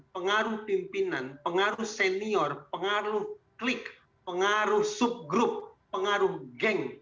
pengaruh pimpinan pengaruh senior pengaruh klik pengaruh subgrup pengaruh geng